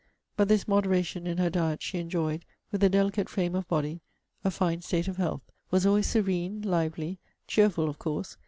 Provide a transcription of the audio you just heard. But this moderation in her diet, she enjoyed, with a delicate frame of body, a fine state of health; was always serene, lively; cheerful, of course.